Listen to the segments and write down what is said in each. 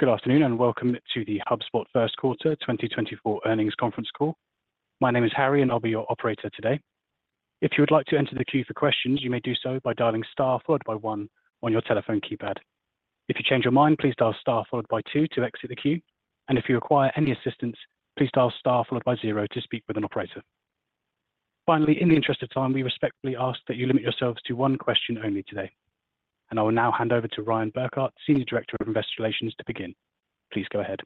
Good afternoon and welcome to the HubSpot First Quarter 2024 Earnings Conference Call. My name is Harry and I'll be your operator today. If you would like to enter the queue for questions, you may do so by dialing star followed by one on your telephone keypad. If you change your mind, please dial star followed by two to exit the queue, and if you require any assistance, please dial star followed by zero to speak with an operator. Finally, in the interest of time, we respectfully ask that you limit yourselves to one question only today. I will now hand over to Ryan Burkart, Senior Director of Investor Relations, to begin. Please go ahead.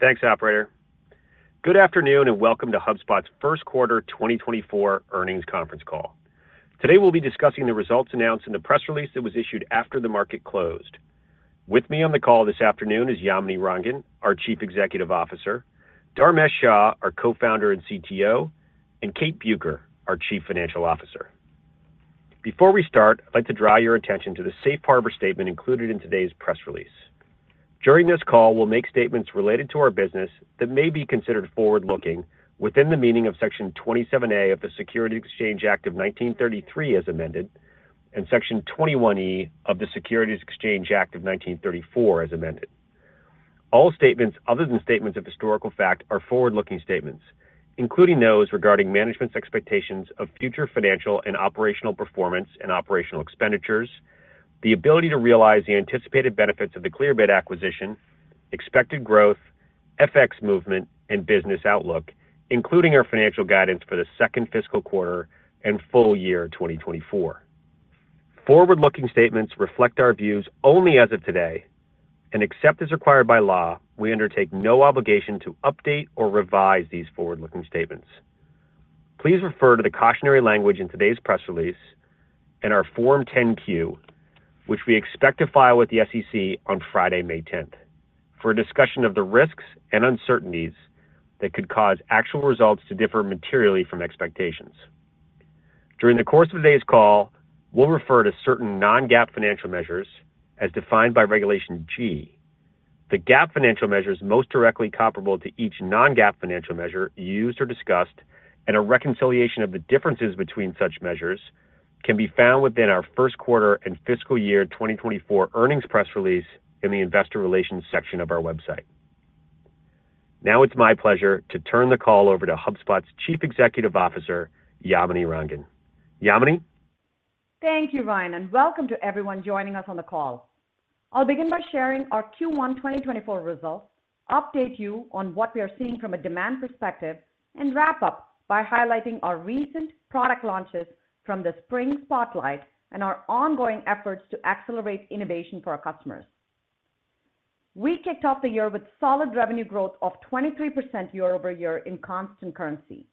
Thanks, operator. Good afternoon and welcome to HubSpot's First Quarter 2024 Earnings Conference Call. Today we'll be discussing the results announced in the press release that was issued after the market closed. With me on the call this afternoon is Yamini Rangan, our Chief Executive Officer, Dharmesh Shah, our Co-Founder and CTO, and Kate Bueker, our Chief Financial Officer. Before we start, I'd like to draw your attention to the Safe Harbor Statement included in today's press release. During this call, we'll make statements related to our business that may be considered forward-looking within the meaning of Section 27A of the Securities Exchange Act of 1933 as amended and Section 21E of the Securities Exchange Act of 1934 as amended. All statements other than statements of historical fact are forward-looking statements, including those regarding management's expectations of future financial and operational performance and operational expenditures, the ability to realize the anticipated benefits of the Clearbit acquisition, expected growth, FX movement, and business outlook, including our financial guidance for the second fiscal quarter and full year 2024. Forward-looking statements reflect our views only as of today, and except as required by law, we undertake no obligation to update or revise these forward-looking statements. Please refer to the cautionary language in today's press release and our Form 10-Q, which we expect to file with the SEC on Friday, May 10th, for a discussion of the risks and uncertainties that could cause actual results to differ materially from expectations. During the course of today's call, we'll refer to certain non-GAAP financial measures as defined by Regulation G, the GAAP financial measures most directly comparable to each non-GAAP financial measure used or discussed, and a reconciliation of the differences between such measures can be found within our First Quarter and Fiscal Year 2024 Earnings Press Release in the Investor Relations section of our website. Now it's my pleasure to turn the call over to HubSpot's Chief Executive Officer, Yamini Rangan. Yamini? Thank you, Ryan, and welcome to everyone joining us on the call. I'll begin by sharing our Q1 2024 results, update you on what we are seeing from a demand perspective, and wrap up by highlighting our recent product launches from the Spring Spotlight and our ongoing efforts to accelerate innovation for our customers. We kicked off the year with solid revenue growth of 23% YoY in constant currency.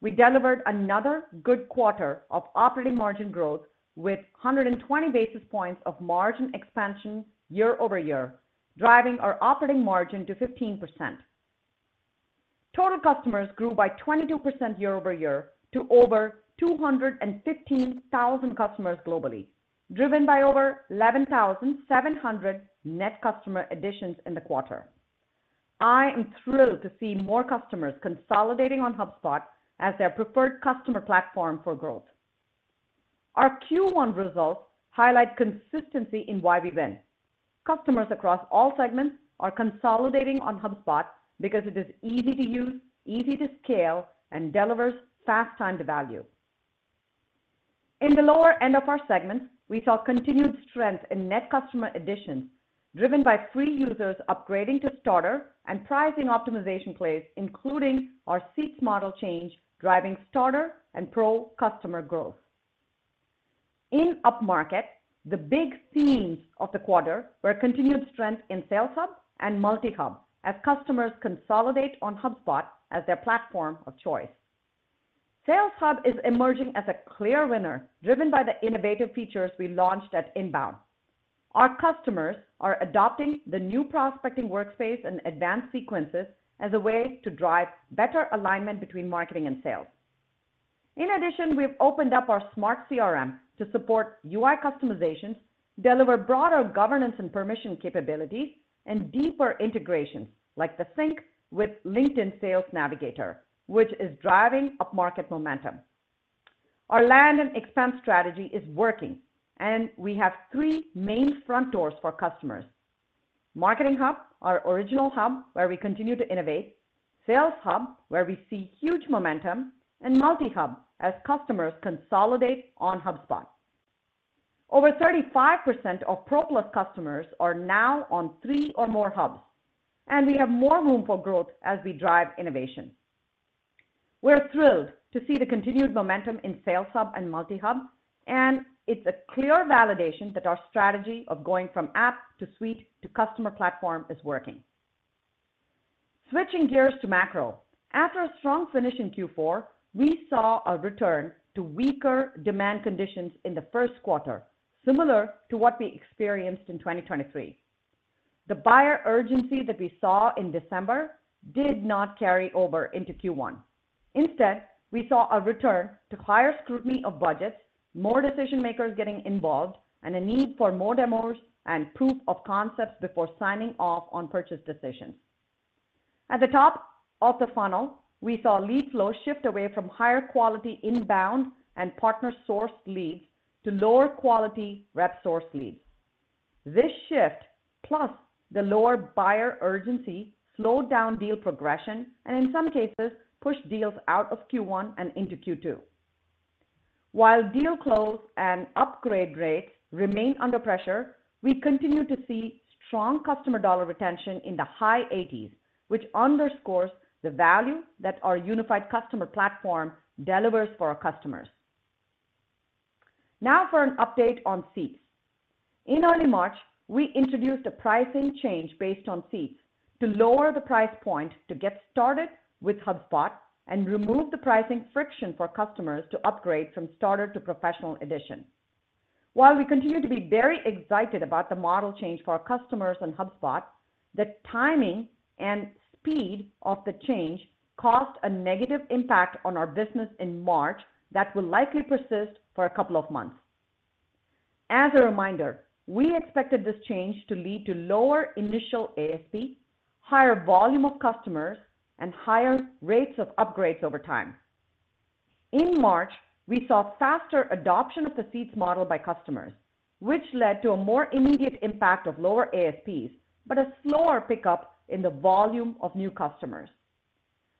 We delivered another good quarter of operating margin growth with 120 basis points of margin expansion YoY, driving our operating margin to 15%. Total customers grew by 22% YoY to over 215,000 customers globally, driven by over 11,700 net customer additions in the quarter. I am thrilled to see more customers consolidating on HubSpot as their preferred customer platform for growth. Our Q1 results highlight consistency in why we win. Customers across all segments are consolidating on HubSpot because it is easy to use, easy to scale, and delivers fast time to value. In the lower end of our segment, we saw continued strength in net customer additions, driven by free users upgrading to Starter and pricing optimization plays, including our seats model change, driving Starter and Pro customer growth. In upmarket, the big themes of the quarter were continued strength in Sales Hub and Multi-Hub as customers consolidate on HubSpot as their platform of choice. Sales Hub is emerging as a clear winner, driven by the innovative features we launched at Inbound. Our customers are adopting the new Prospecting Workspace and advanced sequences as a way to drive better alignment between marketing and sales. In addition, we've opened up our Smart CRM to support UI customizations, deliver broader governance and permission capabilities, and deeper integrations like the sync with LinkedIn Sales Navigator, which is driving upmarket momentum. Our land and expand strategy is working, and we have three main front doors for customers: Marketing Hub, our original hub where we continue to innovate. Sales Hub, where we see huge momentum. And Multi-Hub as customers consolidate on HubSpot. Over 35% of Pro Plus customers are now on three or more hubs, and we have more room for growth as we drive innovation. We're thrilled to see the continued momentum in Sales Hub and Multi-Hub, and it's a clear validation that our strategy of going from app to suite to customer platform is working. Switching gears to macro, after a strong finish in Q4, we saw a return to weaker demand conditions in the first quarter, similar to what we experienced in 2023. The buyer urgency that we saw in December did not carry over into Q1. Instead, we saw a return to higher scrutiny of budgets, more decision-makers getting involved, and a need for more demos and proof of concepts before signing off on purchase decisions. At the top of the funnel, we saw lead flow shift away from higher quality inbound and partner-sourced leads to lower quality rep-sourced leads. This shift, plus the lower buyer urgency, slowed down deal progression and, in some cases, pushed deals out of Q1 and into Q2. While deal close and upgrade rates remain under pressure, we continue to see strong customer dollar retention in the high 80s%, which underscores the value that our unified customer platform delivers for our customers. Now for an update on seats. In early March, we introduced a pricing change based on seats to lower the price point to get started with HubSpot and remove the pricing friction for customers to upgrade from Starter to Professional edition. While we continue to be very excited about the model change for our customers on HubSpot, the timing and speed of the change caused a negative impact on our business in March that will likely persist for a couple of months. As a reminder, we expected this change to lead to lower initial ASP, higher volume of customers, and higher rates of upgrades over time. In March, we saw faster adoption of the seats model by customers, which led to a more immediate impact of lower ASPs but a slower pickup in the volume of new customers.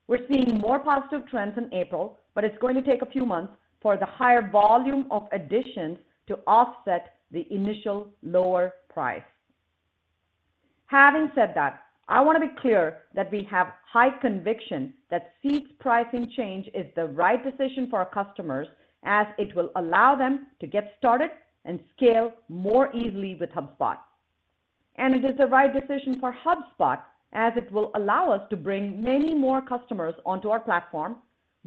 We're seeing more positive trends in April, but it's going to take a few months for the higher volume of additions to offset the initial lower price. Having said that, I want to be clear that we have high conviction that seats pricing change is the right decision for our customers as it will allow them to get started and scale more easily with HubSpot. It is the right decision for HubSpot as it will allow us to bring many more customers onto our platform,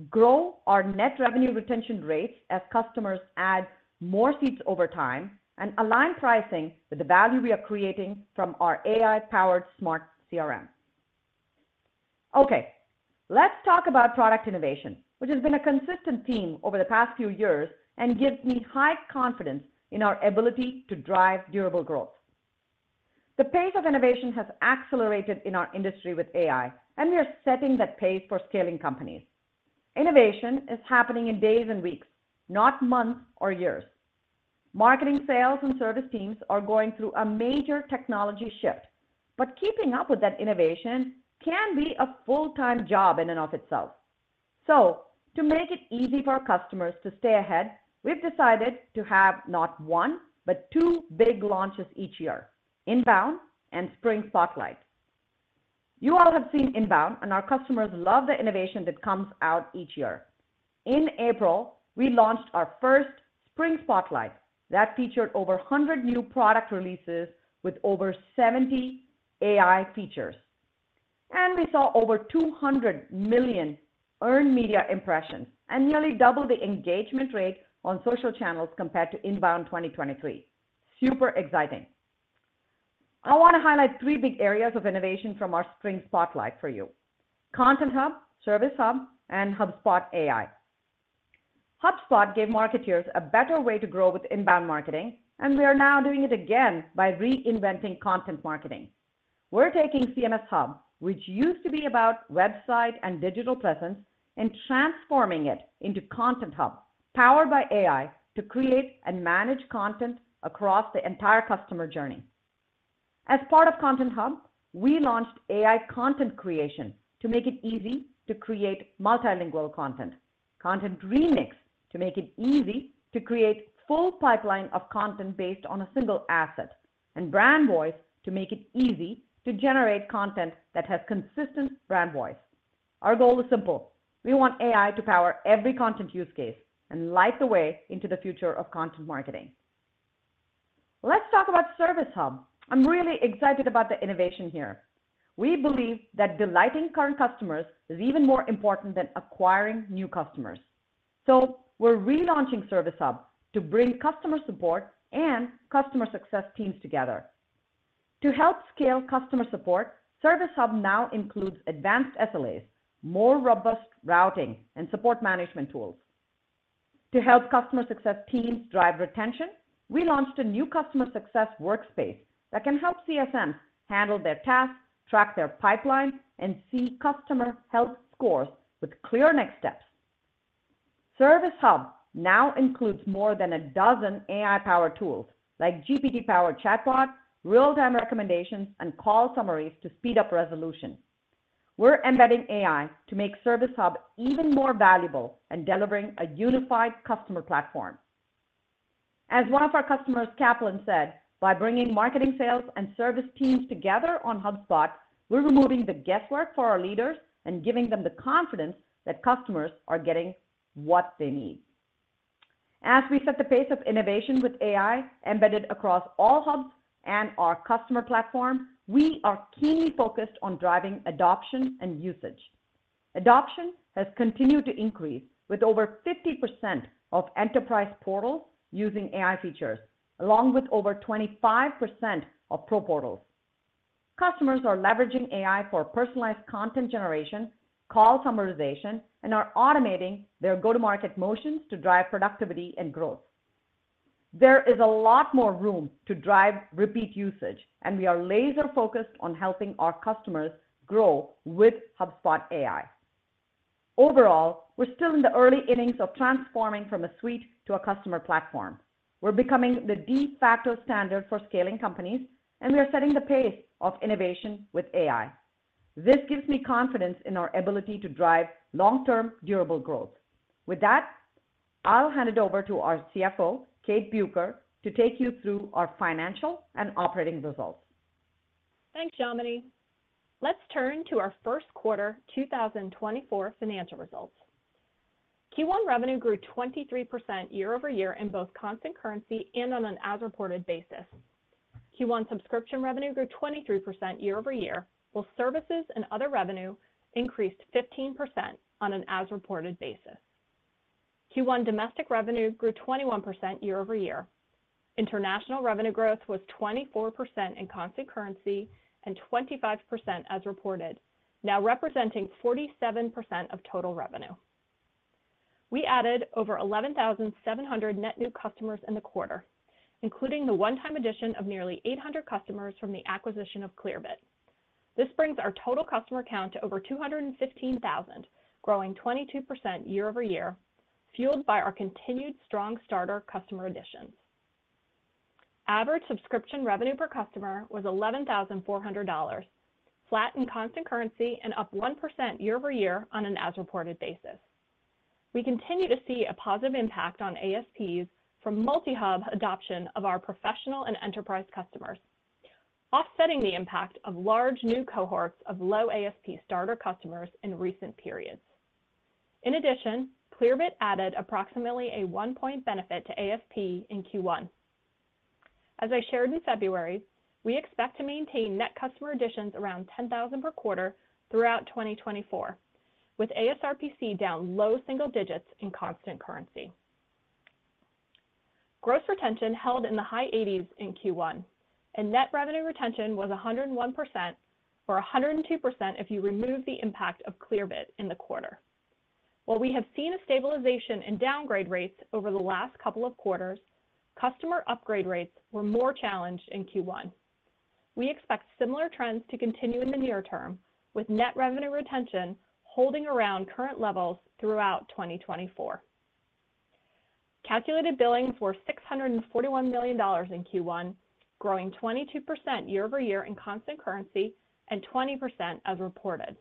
grow our net revenue retention rates as customers add more seats over time, and align pricing with the value we are creating from our AI-powered Smart CRM. Okay, let's talk about product innovation, which has been a consistent theme over the past few years and gives me high confidence in our ability to drive durable growth. The pace of innovation has accelerated in our industry with AI, and we are setting that pace for scaling companies. Innovation is happening in days and weeks, not months or years. Marketing, sales, and service teams are going through a major technology shift, but keeping up with that innovation can be a full-time job in and of itself. So to make it easy for our customers to stay ahead, we've decided to have not one but two big launches each year: Inbound and Spring Spotlight. You all have seen Inbound, and our customers love the innovation that comes out each year. In April, we launched our first Spring Spotlight that featured over 100 new product releases with over 70 AI features. We saw over 200 million earned media impressions and nearly double the engagement rate on social channels compared to Inbound 2023. Super exciting. I want to highlight three big areas of innovation from our Spring Spotlight for you: Content Hub, Service Hub, and HubSpot AI. HubSpot gave marketers a better way to grow with inbound marketing, and we are now doing it again by reinventing content marketing. We're taking CMS Hub, which used to be about website and digital presence, and transforming it into Content Hub, powered by AI to create and manage content across the entire customer journey. As part of Content Hub, we launched AI content creation to make it easy to create multilingual content, Content Remix to make it easy to create full pipeline of content based on a single asset, and Brand Voice to make it easy to generate content that has consistent Brand Voice. Our goal is simple: we want AI to power every content use case and light the way into the future of content marketing. Let's talk about Service Hub. I'm really excited about the innovation here. We believe that delighting current customers is even more important than acquiring new customers. So we're relaunching Service Hub to bring customer support and customer success teams together. To help scale customer support, Service Hub now includes advanced SLAs, more robust routing, and support management tools. To help customer success teams drive retention, we launched a new Customer Success Workspace that can help CSMs handle their tasks, track their pipeline, and see customer health scores with clear next steps. Service Hub now includes more than a dozen AI-powered tools like GPT-powered chatbot, real-time recommendations, and call summaries to speed up resolution. We're embedding AI to make Service Hub even more valuable and delivering a unified customer platform. As one of our customers, Kaplan, said, "By bringing marketing, sales, and service teams together on HubSpot, we're removing the guesswork for our leaders and giving them the confidence that customers are getting what they need." As we set the pace of innovation with AI embedded across all hubs and our customer platform, we are keenly focused on driving adoption and usage. Adoption has continued to increase with over 50% of Enterprise portals using AI features, along with over 25% of Pro portals. Customers are leveraging AI for personalized content generation, call summarization, and are automating their go-to-market motions to drive productivity and growth. There is a lot more room to drive repeat usage, and we are laser-focused on helping our customers grow with HubSpot AI. Overall, we're still in the early innings of transforming from a suite to a customer platform. We're becoming the de facto standard for scaling companies, and we are setting the pace of innovation with AI. This gives me confidence in our ability to drive long-term, durable growth. With that, I'll hand it over to our CFO, Kate Bueker, to take you through our financial and operating results. Thanks, Yamini. Let's turn to our First Quarter 2024 financial results. Q1 revenue grew 23% YoY in both constant currency and on an as-reported basis. Q1 subscription revenue grew 23% YoY, while services and other revenue increased 15% on an as-reported basis. Q1 domestic revenue grew 21% YoY. International revenue growth was 24% in constant currency and 25% as-reported, now representing 47% of total revenue. We added over 11,700 net new customers in the quarter, including the one-time addition of nearly 800 customers from the acquisition of Clearbit. This brings our total customer count to over 215,000, growing 22% YoY, fueled by our continued strong Starter customer additions. Average subscription revenue per customer was $11,400, flat in constant currency and up 1% YoY on an as-reported basis. We continue to see a positive impact on ASPs from Multi-Hub adoption of our Professional and Enterprise customers, offsetting the impact of large new cohorts of low ASP Starter customers in recent periods. In addition, Clearbit added approximately a 1-point benefit to ASP in Q1. As I shared in February, we expect to maintain net customer additions around 10,000 per quarter throughout 2024, with ASRPC down low single digits in constant currency. Gross retention held in the high 80s in Q1, and net revenue retention was 101% or 102% if you remove the impact of Clearbit in the quarter. While we have seen a stabilization in downgrade rates over the last couple of quarters, customer upgrade rates were more challenged in Q1. We expect similar trends to continue in the near term, with net revenue retention holding around current levels throughout 2024. Calculated billings were $641 million in Q1, growing 22% YoY in constant currency and 20% as-reported.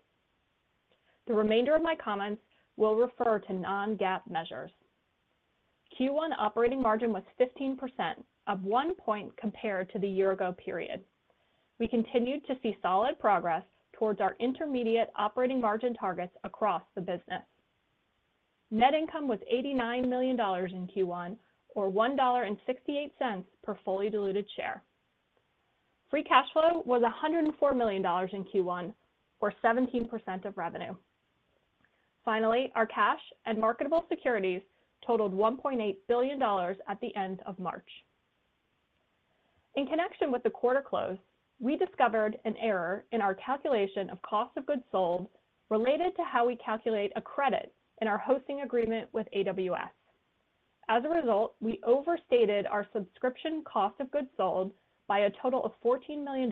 The remainder of my comments will refer to non-GAAP measures. Q1 operating margin was 15%, up one point compared to the year-ago period. We continued to see solid progress towards our intermediate operating margin targets across the business. Net income was $89 million in Q1, or $1.68 per fully diluted share. Free cash flow was $104 million in Q1, or 17% of revenue. Finally, our cash and marketable securities totaled $1.8 billion at the end of March. In connection with the quarter close, we discovered an error in our calculation of cost of goods sold related to how we calculate a credit in our hosting agreement with AWS. As a result, we overstated our subscription cost of goods sold by a total of $14 million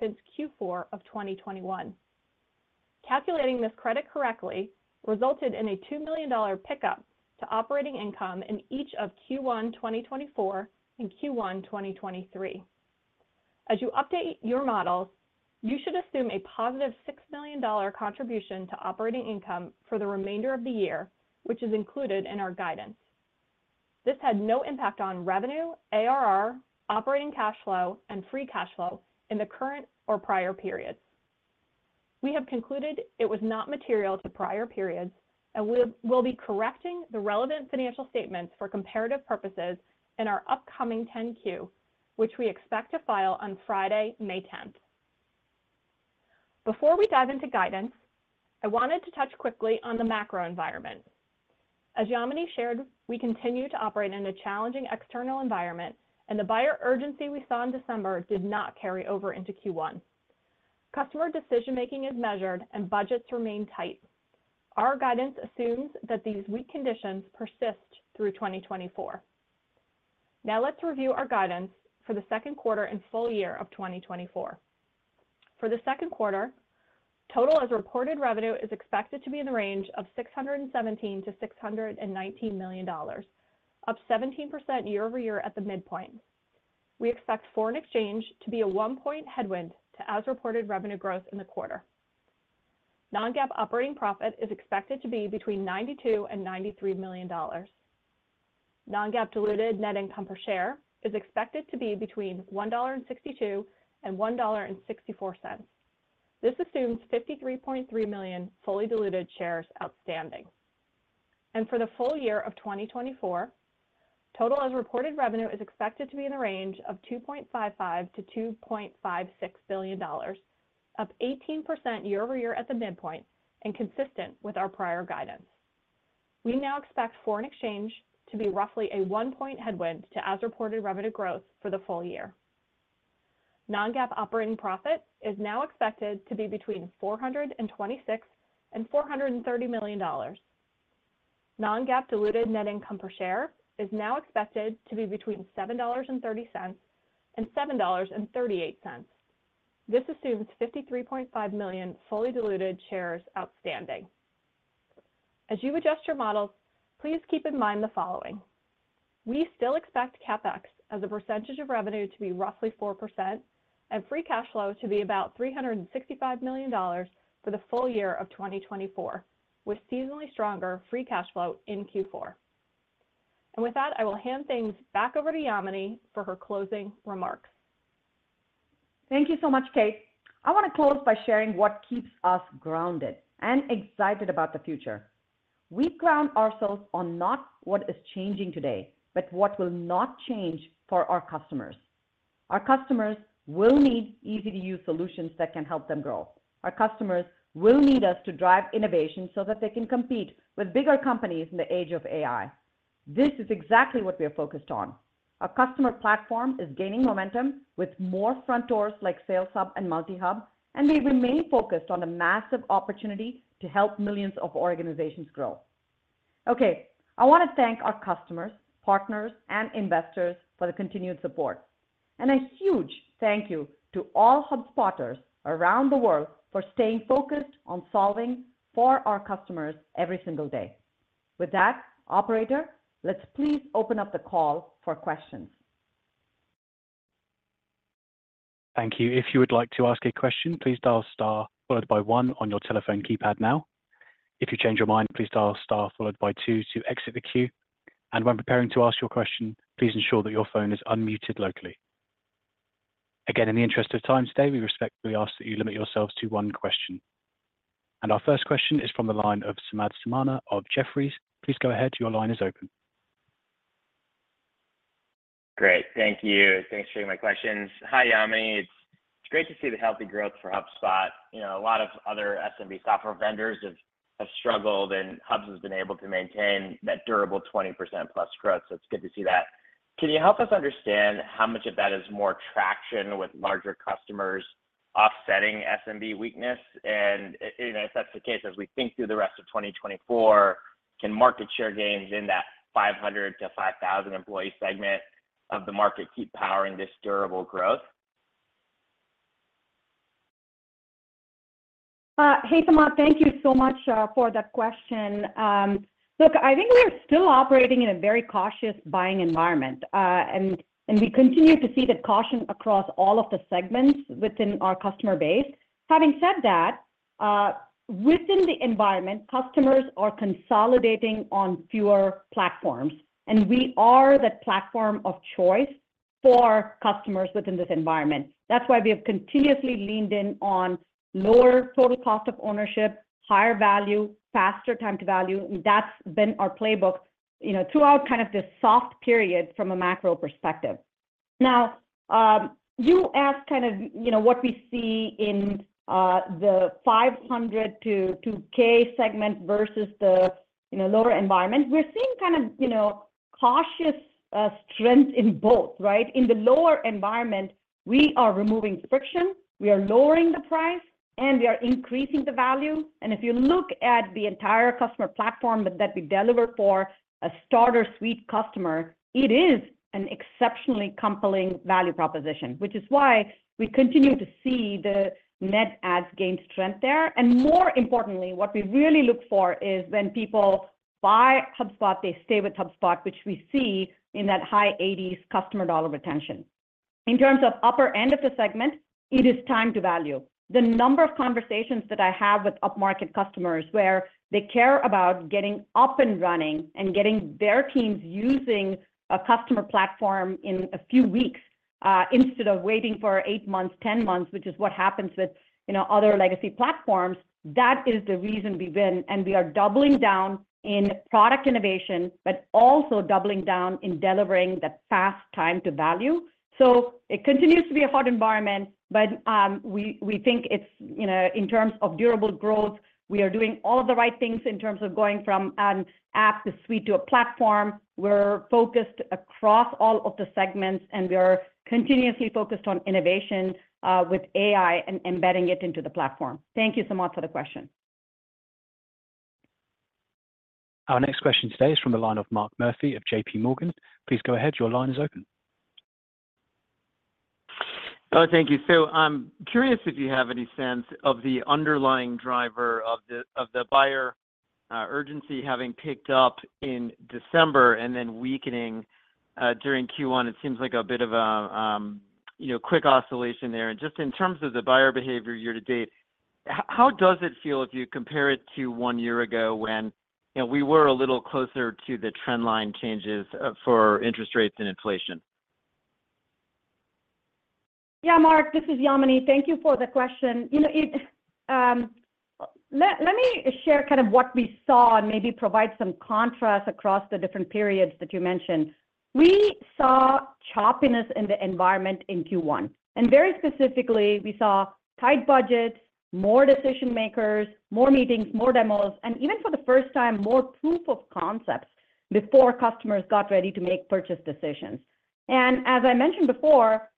since Q4 of 2021. Calculating this credit correctly resulted in a $2 million pickup to operating income in each of Q1 2024 and Q1 2023. As you update your models, you should assume a positive $6 million contribution to operating income for the remainder of the year, which is included in our guidance. This had no impact on revenue, ARR, operating cash flow, and free cash flow in the current or prior periods. We have concluded it was not material to prior periods, and we will be correcting the relevant financial statements for comparative purposes in our upcoming 10-Q, which we expect to file on Friday, May 10th. Before we dive into guidance, I wanted to touch quickly on the macro environment. As Yamini shared, we continue to operate in a challenging external environment, and the buyer urgency we saw in December did not carry over into Q1. Customer decision-making is measured, and budgets remain tight. Our guidance assumes that these weak conditions persist through 2024. Now let's review our guidance for the second quarter and full year of 2024. For the second quarter, total as-reported revenue is expected to be in the range of $617-$619 million, up 17% YoY at the midpoint. We expect foreign exchange to be a 1-point headwind to as-reported revenue growth in the quarter. Non-GAAP operating profit is expected to be between $92 and $93 million. Non-GAAP diluted net income per share is expected to be between $1.62 and $1.64. This assumes 53.3 million fully diluted shares outstanding. For the full year of 2024, total as-reported revenue is expected to be in the range of $2.55-$2.56 billion, up 18% YoY at the midpoint and consistent with our prior guidance. We now expect foreign exchange to be roughly a one-point headwind to as-reported revenue growth for the full year. Non-GAAP operating profit is now expected to be between $426 million-$430 million. Non-GAAP diluted net income per share is now expected to be between $7.30-$7.38. This assumes 53.5 million fully diluted shares outstanding. As you adjust your models, please keep in mind the following: we still expect CAPEX as a percentage of revenue to be roughly 4%, and free cash flow to be about $365 million for the full year of 2024, with seasonally stronger free cash flow in Q4. And with that, I will hand things back over to Yamini for her closing remarks. Thank you so much, Kate. I want to close by sharing what keeps us grounded and excited about the future. We ground ourselves on not what is changing today, but what will not change for our customers. Our customers will need easy-to-use solutions that can help them grow. Our customers will need us to drive innovation so that they can compete with bigger companies in the age of AI. This is exactly what we are focused on. Our customer platform is gaining momentum with more front doors like Sales Hub and Marketing Hub, and we remain focused on a massive opportunity to help millions of organizations grow. Okay, I want to thank our customers, partners, and investors for the continued support. A huge thank you to all HubSpotters around the world for staying focused on solving for our customers every single day. With that, operator, let's please open up the call for questions. Thank you. If you would like to ask a question, please dial star followed by one on your telephone keypad now. If you change your mind, please dial star followed by two to exit the queue. And when preparing to ask your question, please ensure that your phone is unmuted locally. Again, in the interest of time today, we respectfully ask that you limit yourselves to one question. And our first question is from the line of Samad Samana of Jefferies. Please go ahead. Your line is open. Great. Thank you. Thanks for sharing my questions. Hi, Yamini. It's great to see the healthy growth for HubSpot. A lot of other SMB software vendors have struggled, and HubSpot has been able to maintain that durable 20%+ growth. So it's good to see that. Can you help us understand how much of that is more traction with larger customers offsetting SMB weakness? And if that's the case, as we think through the rest of 2024, can market share gains in that 500-5,000 employee segment of the market keep powering this durable growth? Hey, Samad. Thank you so much for that question. Look, I think we are still operating in a very cautious buying environment, and we continue to see that caution across all of the segments within our customer base. Having said that, within the environment, customers are consolidating on fewer platforms, and we are that platform of choice for customers within this environment. That's why we have continuously leaned in on lower total cost of ownership, higher value, faster time to value. And that's been our playbook throughout kind of this soft period from a macro perspective. Now, you asked kind of what we see in the 500-2,000 segment versus the lower environment. We're seeing kind of cautious strength in both, right? In the lower environment, we are removing friction. We are lowering the price, and we are increasing the value. If you look at the entire customer platform that we deliver for a Starter suite customer, it is an exceptionally compelling value proposition, which is why we continue to see the net adds gain strength there. More importantly, what we really look for is when people buy HubSpot, they stay with HubSpot, which we see in that high 80s customer dollar retention. In terms of upper end of the segment, it is time to value. The number of conversations that I have with upmarket customers where they care about getting up and running and getting their teams using a customer platform in a few weeks instead of waiting for 8 months, 10 months, which is what happens with other legacy platforms, that is the reason we win. We are doubling down in product innovation, but also doubling down in delivering that fast time to value. It continues to be a hot environment, but we think it's in terms of durable growth. We are doing all of the right things in terms of going from an app to suite to a platform. We're focused across all of the segments, and we are continuously focused on innovation with AI and embedding it into the platform. Thank you, Samad, for the question. Our next question today is from the line of Mark Murphy of JPMorgan. Please go ahead. Your line is open. Oh, thank you. So I'm curious if you have any sense of the underlying driver of the buyer urgency having picked up in December and then weakening during Q1? It seems like a bit of a quick oscillation there. And just in terms of the buyer behavior year to date, how does it feel if you compare it to one year ago when we were a little closer to the trendline changes for interest rates and inflation? Yeah, Mark, this is Yamini. Thank you for the question. Let me share kind of what we saw and maybe provide some contrast across the different periods that you mentioned. We saw choppiness in the environment in Q1. And very specifically, we saw tight budgets, more decision-makers, more meetings, more demos, and even for the first time, more proof of concepts before customers got ready to make purchase decisions. And as I mentioned before,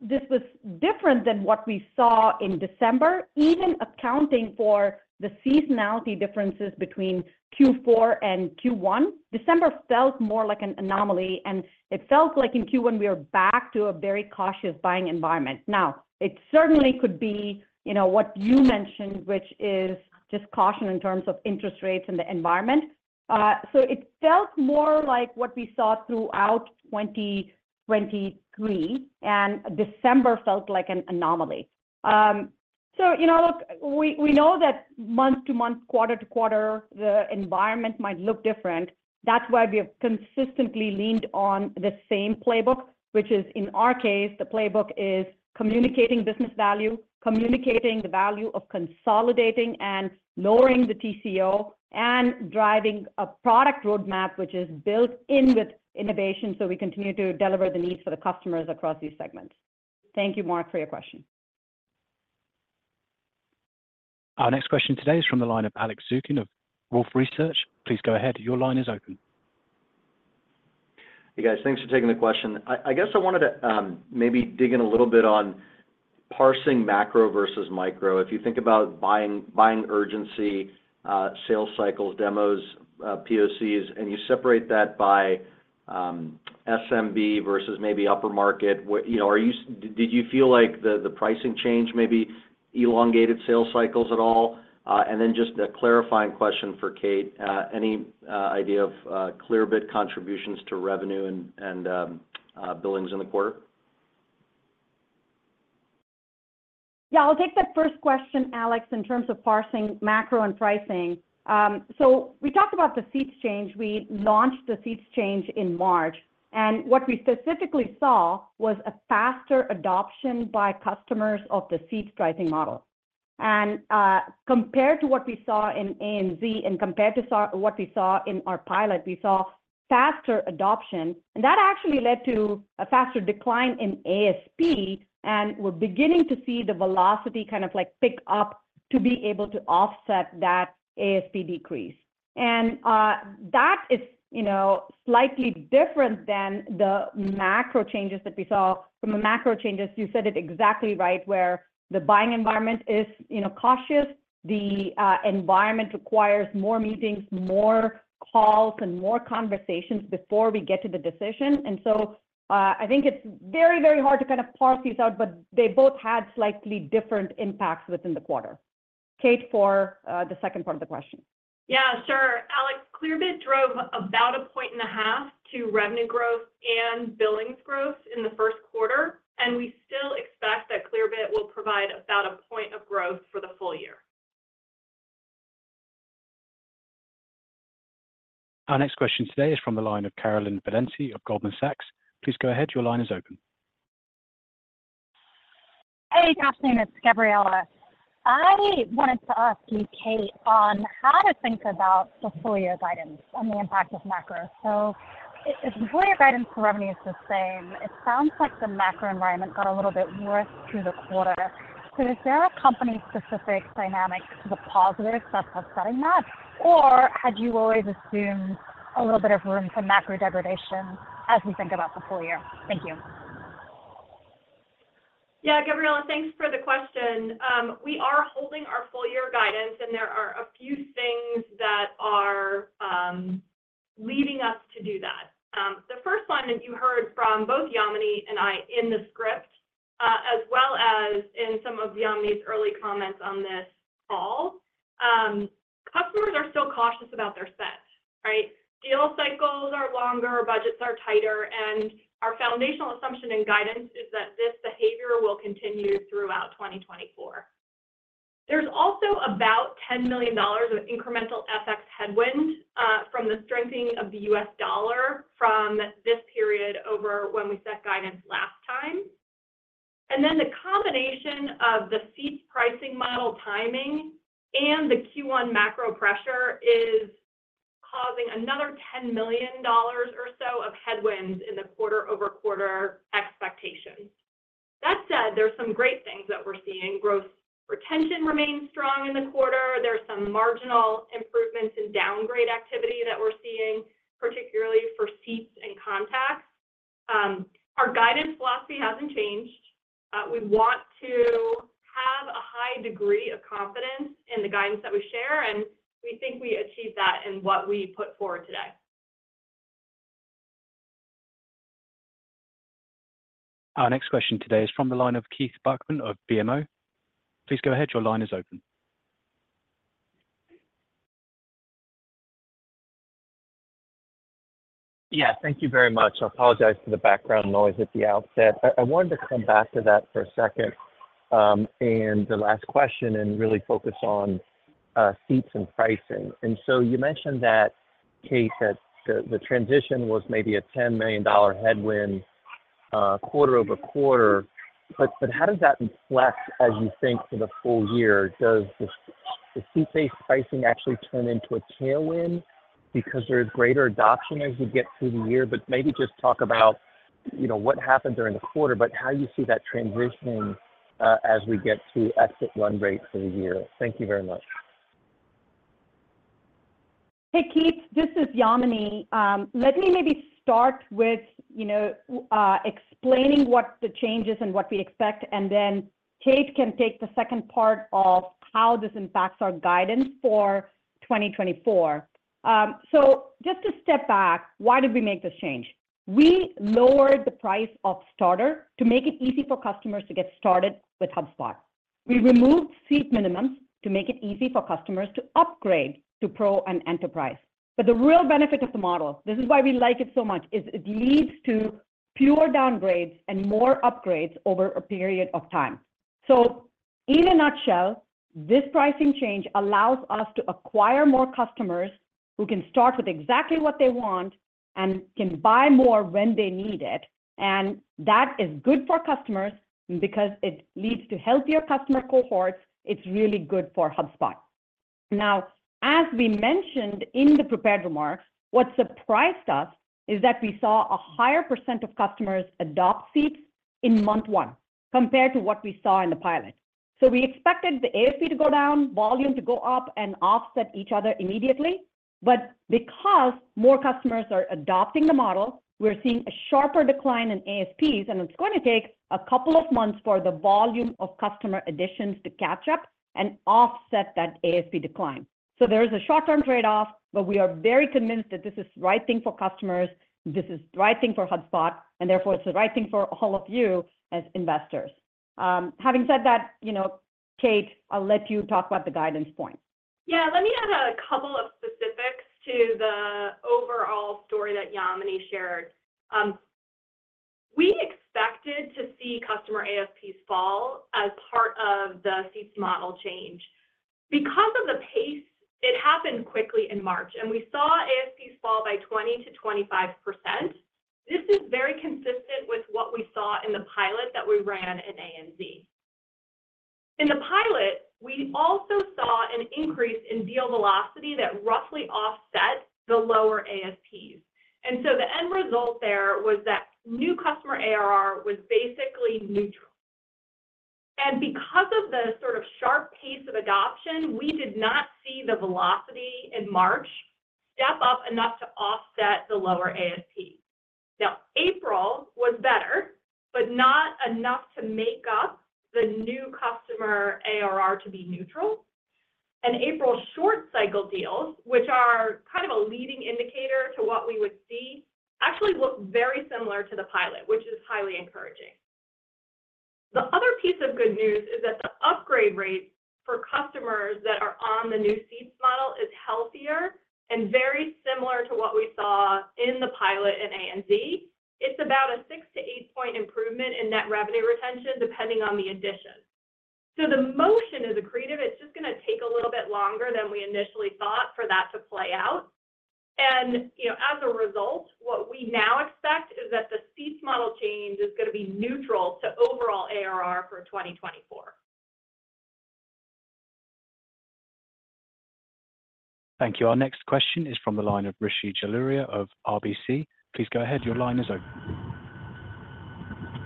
this was different than what we saw in December, even accounting for the seasonality differences between Q4 and Q1. December felt more like an anomaly, and it felt like in Q1, we were back to a very cautious buying environment. Now, it certainly could be what you mentioned, which is just caution in terms of interest rates and the environment. So it felt more like what we saw throughout 2023, and December felt like an anomaly. So look, we know that month to month, quarter to quarter, the environment might look different. That's why we have consistently leaned on the same playbook, which is in our case, the playbook is communicating business value, communicating the value of consolidating and lowering the TCO, and driving a product roadmap which is built in with innovation so we continue to deliver the needs for the customers across these segments. Thank you, Mark, for your question. Our next question today is from the line of Alex Zukin of Wolfe Research. Please go ahead. Your line is open. Hey, guys. Thanks for taking the question. I guess I wanted to maybe dig in a little bit on parsing macro versus micro. If you think about buying urgency, sales cycles, demos, POCs, and you separate that by SMB versus maybe upper market, did you feel like the pricing change maybe elongated sales cycles at all? And then just a clarifying question for Kate, any idea of Clearbit contributions to revenue and billings in the quarter? Yeah, I'll take that first question, Alex, in terms of parsing macro and pricing. So we talked about the seats change. We launched the seats change in March. What we specifically saw was a faster adoption by customers of the seat pricing model. Compared to what we saw in ANZ and compared to what we saw in our pilot, we saw faster adoption. That actually led to a faster decline in ASP, and we're beginning to see the velocity kind of pick up to be able to offset that ASP decrease. That is slightly different than the macro changes that we saw. From the macro changes, you said it exactly right where the buying environment is cautious. The environment requires more meetings, more calls, and more conversations before we get to the decision. And so I think it's very, very hard to kind of parse these out, but they both had slightly different impacts within the quarter. Kate, for the second part of the question. Yeah, sure. Alex, Clearbit drove about a point and a half to revenue growth and billings growth in the first quarter, and we still expect that Clearbit will provide about a point of growth for the full year. Our next question today is from the line of Carolyn Valensi of Goldman Sachs. Please go ahead. Your line is open. Hey, Yamini. It's Gabriela. I wanted to ask you, Kate, on how to think about the full year guidance and the impact of macro. So if the full year guidance for revenue is the same, it sounds like the macro environment got a little bit worse through the quarter. So is there a company-specific dynamic to the positives that's upsetting that, or had you always assumed a little bit of room for macro degradation as we think about the full year? Thank you. Yeah, Gabriela, thanks for the question. We are holding our full year guidance, and there are a few things that are leading us to do that. The first one that you heard from both Yamini and I in the script, as well as in some of Yamini's early comments on this call, customers are still cautious about their spend, right? Deal cycles are longer, budgets are tighter, and our foundational assumption and guidance is that this behavior will continue throughout 2024. There's also about $10 million of incremental FX headwind from the strengthening of the US dollar from this period over when we set guidance last time. And then the combination of the seat pricing model timing and the Q1 macro pressure is causing another $10 million or so of headwinds in the QoQ expectations. That said, there's some great things that we're seeing. Gross retention remains strong in the quarter. There's some marginal improvements in downgrade activity that we're seeing, particularly for seats and contacts. Our guidance philosophy hasn't changed. We want to have a high degree of confidence in the guidance that we share, and we think we achieved that in what we put forward today. Our next question today is from the line of Keith Bachman of BMO. Please go ahead. Your line is open. Yeah, thank you very much. I apologize for the background noise at the outset. I wanted to come back to that for a second in the last question and really focus on seats and pricing. And so you mentioned that, Kate, that the transition was maybe a $10 million headwind QoQ. But how does that reflect, as you think, for the full year? Does the seat-based pricing actually turn into a tailwind because there's greater adoption as you get through the year? But maybe just talk about what happened during the quarter, but how you see that transitioning as we get to exit run rate for the year. Thank you very much. Hey, Keith. This is Yamini. Let me maybe start with explaining what the changes and what we expect, and then Kate can take the second part of how this impacts our guidance for 2024. So just to step back, why did we make this change? We lowered the price of Starter to make it easy for customers to get started with HubSpot. We removed seat minimums to make it easy for customers to upgrade to Pro and enterprise. But the real benefit of the model - this is why we like it so much - is it leads to pure downgrades and more upgrades over a period of time. So in a nutshell, this pricing change allows us to acquire more customers who can start with exactly what they want and can buy more when they need it. That is good for customers because it leads to healthier customer cohorts. It's really good for HubSpot. Now, as we mentioned in the prepared remarks, what surprised us is that we saw a higher percent of customers adopt seats in month one compared to what we saw in the pilot. So we expected the ASP to go down, volume to go up, and offset each other immediately. But because more customers are adopting the model, we're seeing a sharper decline in ASPs, and it's going to take a couple of months for the volume of customer additions to catch up and offset that ASP decline. So there is a short-term trade-off, but we are very convinced that this is the right thing for customers. This is the right thing for HubSpot, and therefore, it's the right thing for all of you as investors. Having said that, Kate, I'll let you talk about the guidance points. Yeah, let me add a couple of specifics to the overall story that Yamini shared. We expected to see customer ASPs fall as part of the seats model change. Because of the pace, it happened quickly in March, and we saw ASPs fall by 20%-25%. This is very consistent with what we saw in the pilot that we ran in ANZ. In the pilot, we also saw an increase in deal velocity that roughly offset the lower ASPs. And so the end result there was that new customer ARR was basically neutral. And because of the sort of sharp pace of adoption, we did not see the velocity in March step up enough to offset the lower ASP. Now, April was better, but not enough to make up the new customer ARR to be neutral. April's short-cycle deals, which are kind of a leading indicator to what we would see, actually look very similar to the pilot, which is highly encouraging. The other piece of good news is that the upgrade rate for customers that are on the new seats model is healthier and very similar to what we saw in the pilot in ANZ. It's about a 6-8-point improvement in net revenue retention depending on the addition. So the motion is accretive. It's just going to take a little bit longer than we initially thought for that to play out. And as a result, what we now expect is that the seats model change is going to be neutral to overall ARR for 2024. Thank you. Our next question is from the line of Rishi Jaluria of RBC. Please go ahead. Your line is open.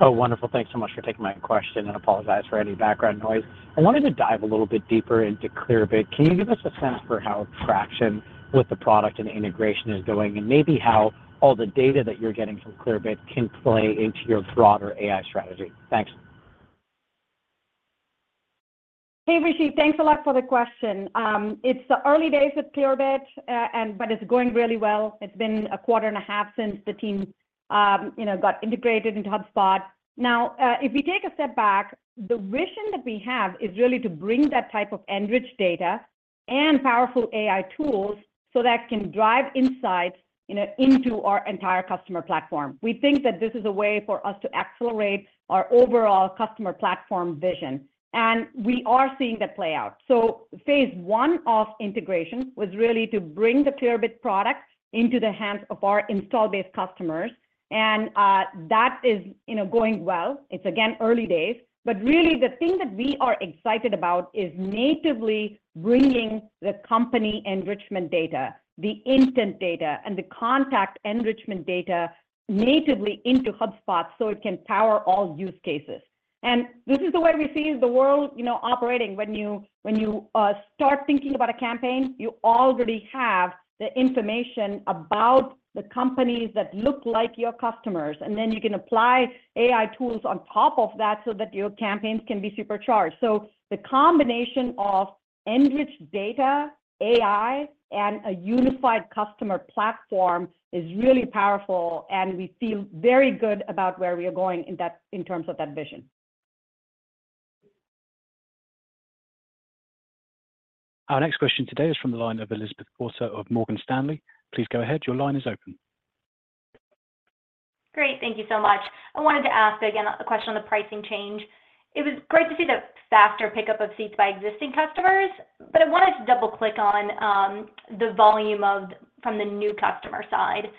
Oh, wonderful. Thanks so much for taking my question, and apologize for any background noise. I wanted to dive a little bit deeper into Clearbit. Can you give us a sense for how traction with the product and integration is going and maybe how all the data that you're getting from Clearbit can play into your broader AI strategy? Thanks. Hey, Rishi. Thanks a lot for the question. It's the early days with Clearbit, but it's going really well. It's been a quarter and a half since the team got integrated into HubSpot. Now, if we take a step back, the vision that we have is really to bring that type of enriched data and powerful AI tools so that it can drive insights into our entire customer platform. We think that this is a way for us to accelerate our overall customer platform vision. And we are seeing that play out. So phase one of integration was really to bring the Clearbit product into the hands of our installed-base customers. And that is going well. It's, again, early days. Really, the thing that we are excited about is natively bringing the company enrichment data, the intent data, and the contact enrichment data natively into HubSpot so it can power all use cases. This is the way we see the world operating. When you start thinking about a campaign, you already have the information about the companies that look like your customers, and then you can apply AI tools on top of that so that your campaigns can be supercharged. The combination of enriched data, AI, and a unified customer platform is really powerful, and we feel very good about where we are going in terms of that vision. Our next question today is from the line of Elizabeth Porter of Morgan Stanley. Please go ahead. Your line is open. Great. Thank you so much. I wanted to ask, again, a question on the pricing change. It was great to see the faster pickup of seats by existing customers, but I wanted to double-click on the volume from the new customer side.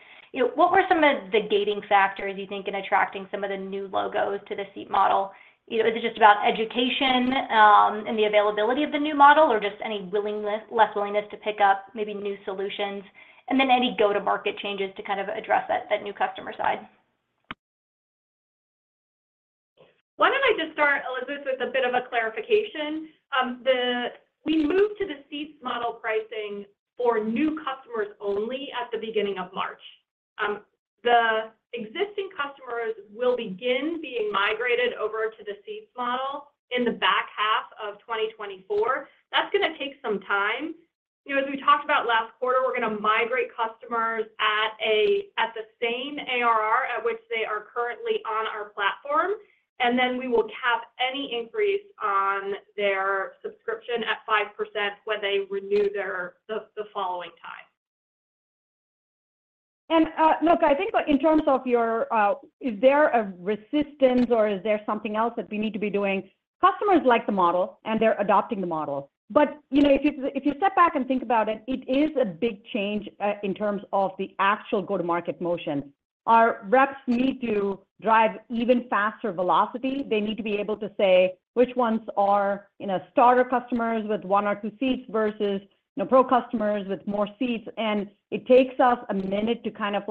What were some of the gating factors, you think, in attracting some of the new logos to the seat model? Is it just about education and the availability of the new model, or just any less willingness to pick up maybe new solutions? And then any go-to-market changes to kind of address that new customer side? Why don't I just start, Elizabeth, with a bit of a clarification? We moved to the seats model pricing for new customers only at the beginning of March. The existing customers will begin being migrated over to the seats model in the back half of 2024. That's going to take some time. As we talked about last quarter, we're going to migrate customers at the same ARR at which they are currently on our platform, and then we will cap any increase on their subscription at 5% when they renew the following time. And look, I think in terms of yours—is there a resistance, or is there something else that we need to be doing? Customers like the model, and they're adopting the model. But if you step back and think about it, it is a big change in terms of the actual go-to-market motion. Our reps need to drive even faster velocity. They need to be able to say which ones are Starter customers with 1 or 2 seats versus Pro customers with more seats. And it takes us a minute to kind of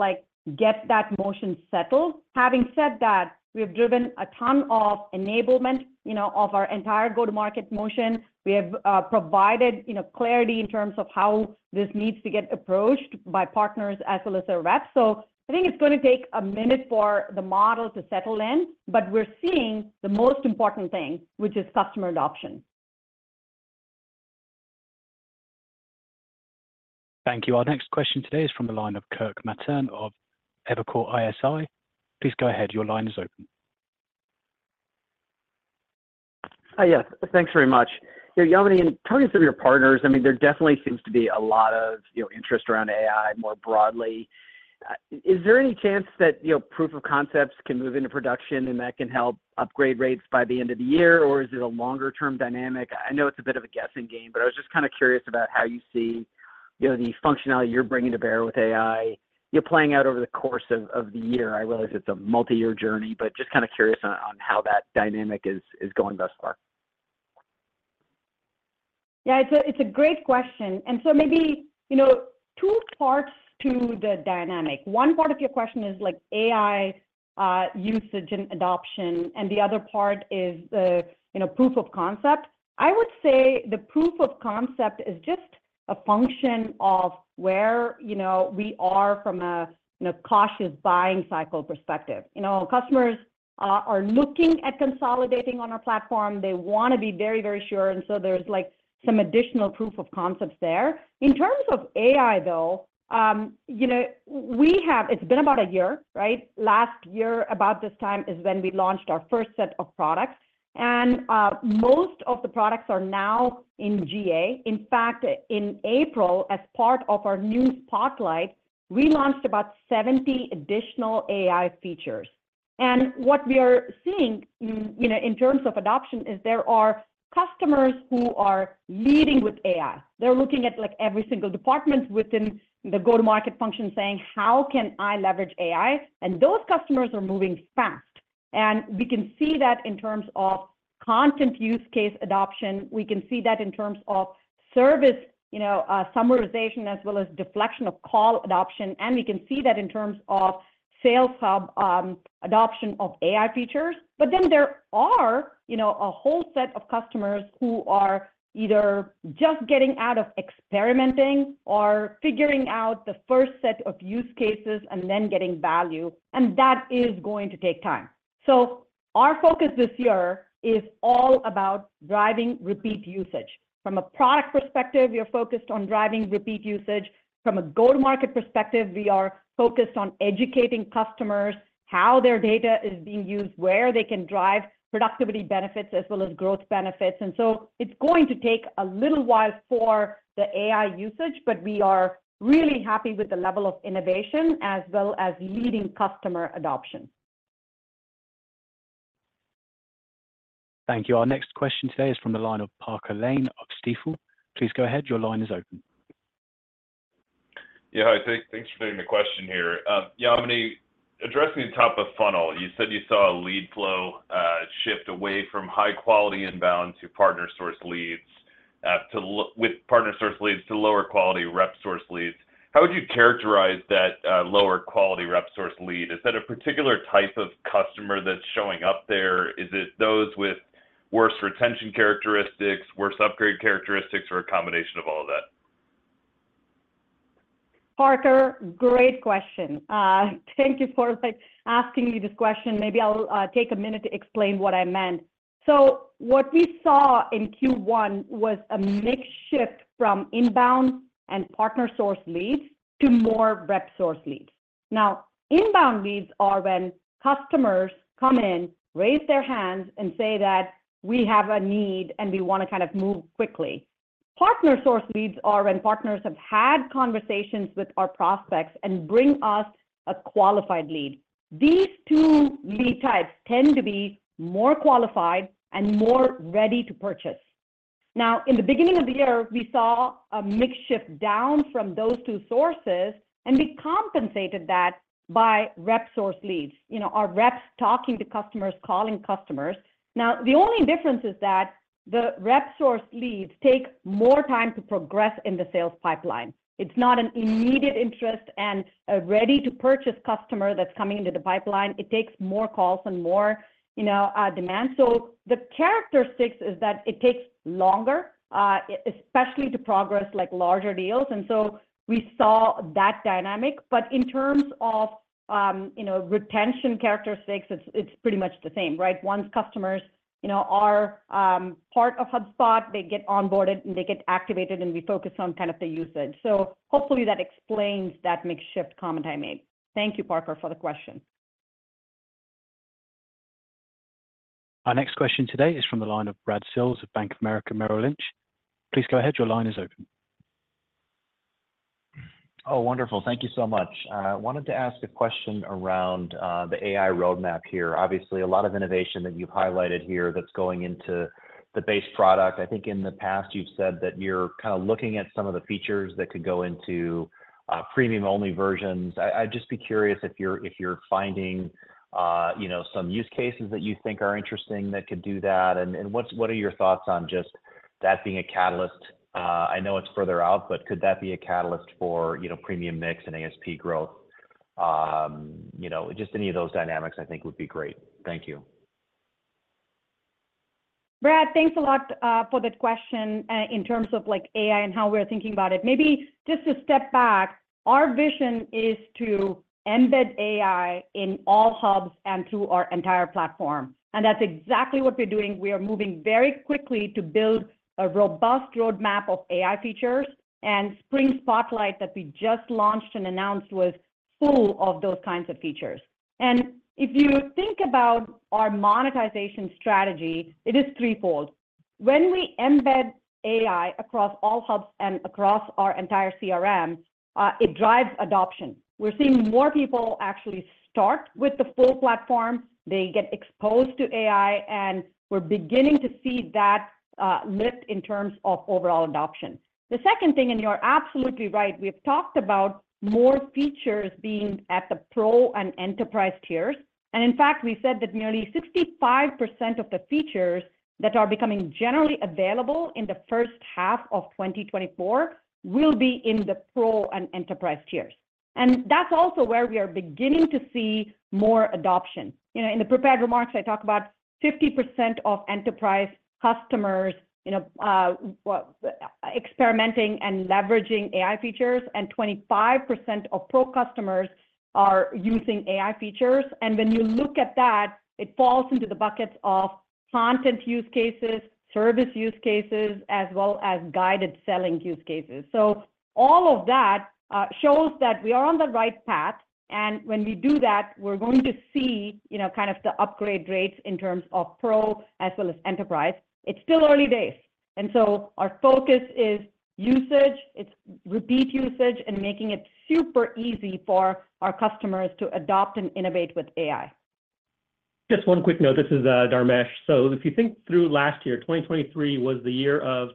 get that motion settled. Having said that, we have driven a ton of enablement of our entire go-to-market motion. We have provided clarity in terms of how this needs to get approached by partners as well as our reps. I think it's going to take a minute for the model to settle in, but we're seeing the most important thing, which is customer adoption. Thank you. Our next question today is from the line of Kirk Materne of Evercore ISI. Please go ahead. Your line is open. Yes. Thanks very much. Yamini, in terms of your partners, I mean, there definitely seems to be a lot of interest around AI more broadly. Is there any chance that proof of concepts can move into production and that can help upgrade rates by the end of the year, or is it a longer-term dynamic? I know it's a bit of a guessing game, but I was just kind of curious about how you see the functionality you're bringing to bear with AI playing out over the course of the year. I realize it's a multi-year journey, but just kind of curious on how that dynamic is going thus far. Yeah, it's a great question. And so maybe two parts to the dynamic. One part of your question is AI usage and adoption, and the other part is the proof of concept. I would say the proof of concept is just a function of where we are from a cautious buying cycle perspective. Customers are looking at consolidating on our platform. They want to be very, very sure, and so there's some additional proof of concepts there. In terms of AI, though, it's been about a year, right? Last year, about this time, is when we launched our first set of products. And most of the products are now in GA. In fact, in April, as part of our new Spotlight, we launched about 70 additional AI features. And what we are seeing in terms of adoption is there are customers who are leading with AI. They're looking at every single department within the go-to-market function, saying, "How can I leverage AI?" And those customers are moving fast. And we can see that in terms of content use case adoption. We can see that in terms of service summarization as well as deflection of call adoption. And we can see that in terms of Sales Hub adoption of AI features. But then there are a whole set of customers who are either just getting out of experimenting or figuring out the first set of use cases and then getting value. And that is going to take time. So our focus this year is all about driving repeat usage. From a product perspective, we are focused on driving repeat usage. From a go-to-market perspective, we are focused on educating customers how their data is being used, where they can drive productivity benefits as well as growth benefits. And so it's going to take a little while for the AI usage, but we are really happy with the level of innovation as well as leading customer adoption. Thank you. Our next question today is from the line of Parker Lane of Stifel. Please go ahead. Your line is open. Yeah, hi, Kate. Thanks for doing the question here. Yamini, addressing the top of funnel, you said you saw a lead flow shift away from high-quality inbound to partner-sourced leads with partner-sourced leads to lower-quality rep-sourced leads. How would you characterize that lower-quality rep-sourced lead? Is that a particular type of customer that's showing up there? Is it those with worse retention characteristics, worse upgrade characteristics, or a combination of all of that? Parker, great question. Thank you for asking me this question. Maybe I'll take a minute to explain what I meant. So what we saw in Q1 was a mixed shift from inbound and partner-sourced leads to more rep-sourced leads. Now, inbound leads are when customers come in, raise their hands, and say that, "We have a need, and we want to kind of move quickly." Partner-sourced leads are when partners have had conversations with our prospects and bring us a qualified lead. These two lead types tend to be more qualified and more ready to purchase. Now, in the beginning of the year, we saw a mixed shift down from those two sources, and we compensated that by rep-sourced leads, our reps talking to customers, calling customers. Now, the only difference is that the rep-sourced leads take more time to progress in the sales pipeline. It's not an immediate interest and a ready-to-purchase customer that's coming into the pipeline. It takes more calls and more demand. So the characteristics is that it takes longer, especially to progress larger deals. And so we saw that dynamic. But in terms of retention characteristics, it's pretty much the same, right? Once customers are part of HubSpot, they get onboarded, and they get activated, and we focus on kind of the usage. So hopefully, that explains that mixed shift comment I made. Thank you, Parker, for the question. Our next question today is from the line of Brad Sills of Bank of America, Merrill Lynch. Please go ahead. Your line is open. Oh, wonderful. Thank you so much. I wanted to ask a question around the AI roadmap here. Obviously, a lot of innovation that you've highlighted here that's going into the base product. I think in the past, you've said that you're kind of looking at some of the features that could go into premium-only versions. I'd just be curious if you're finding some use cases that you think are interesting that could do that. And what are your thoughts on just that being a catalyst? I know it's further out, but could that be a catalyst for premium mix and ASP growth? Just any of those dynamics, I think, would be great. Thank you. Brad, thanks a lot for that question in terms of AI and how we're thinking about it. Maybe just to step back, our vision is to embed AI in all hubs and through our entire platform. That's exactly what we're doing. We are moving very quickly to build a robust roadmap of AI features. Spring Spotlight that we just launched and announced was full of those kinds of features. If you think about our monetization strategy, it is threefold. When we embed AI across all hubs and across our entire CRM, it drives adoption. We're seeing more people actually start with the full platform. They get exposed to AI, and we're beginning to see that lift in terms of overall adoption. The second thing, and you're absolutely right, we have talked about more features being at the Pro and Enterprise tiers. In fact, we said that nearly 65% of the features that are becoming generally available in the first half of 2024 will be in the Pro and Enterprise tiers. That's also where we are beginning to see more adoption. In the prepared remarks, I talk about 50% of Enterprise customers experimenting and leveraging AI features, and 25% of Pro customers are using AI features. When you look at that, it falls into the buckets of content use cases, service use cases, as well as guided selling use cases. All of that shows that we are on the right path. When we do that, we're going to see kind of the upgrade rates in terms of Pro as well as enterprise. It's still early days. Our focus is usage. It's repeat usage and making it super easy for our customers to adopt and innovate with AI. Just one quick note. This is Dharmesh. So if you think through last year, 2023 was the year of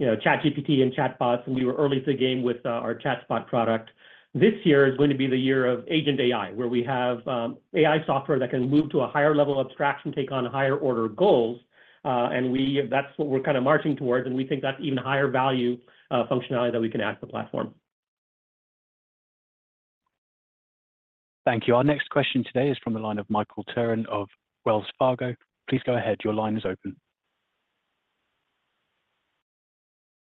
ChatGPT and chatbots, and we were early to the game with our chatbot product. This year is going to be the year of Agent AI, where we have AI software that can move to a higher level of abstraction, take on higher-order goals. And that's what we're kind of marching towards. And we think that's even higher value functionality that we can add to the platform. Thank you. Our next question today is from the line of Michael Turrin of Wells Fargo. Please go ahead. Your line is open.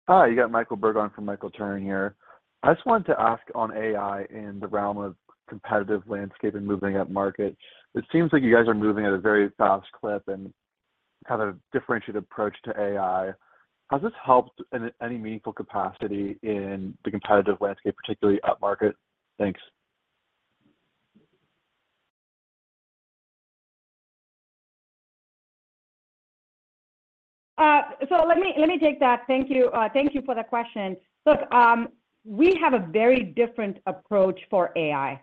Hi, you got Michael Berg for Michael Turrin here. I just wanted to ask on AI in the realm of competitive landscape and moving up markets. It seems like you guys are moving at a very fast clip and kind of differentiated approach to AI. Has this helped in any meaningful capacity in the competitive landscape, particularly up market? Thanks. So let me take that. Thank you for the question. Look, we have a very different approach for AI.